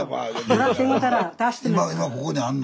今ここにあんの？